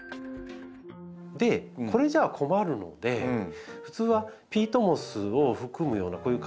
でこれじゃ困るので普通はピートモスを含むようなこういう軽い培養土はですね